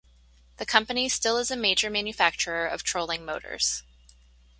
The company still is a major manufacturer of trolling motors.